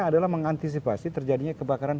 adalah mengantisipasi terjadinya kebakaran